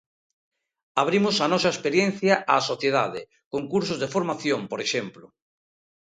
Abrimos a nosa experiencia á sociedade, con cursos de formación por exemplo.